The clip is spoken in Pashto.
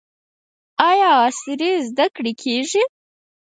آیا عصري زده کړې کیږي؟